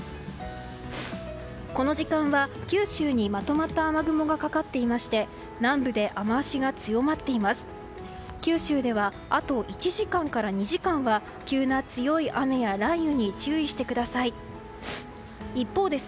この時間は九州にまとまった雨雲がかかっていまして南部で雨脚が強まっています。